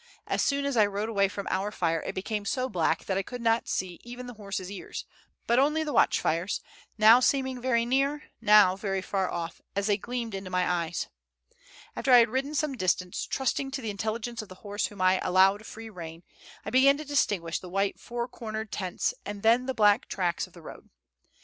As soon as I rode away from our fire, it became so black that I could not see even the horse's ears, but only the watch fires, now seeming very near, now very far off, as they gleamed into my eyes. After I had ridden some distance, trusting to the intelligence of the horse whom I allowed free rein, I began to distinguish the white four cornered tents and then the black tracks of the road.